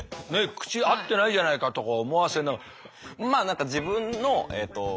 口合ってないじゃないかとか思わせながら。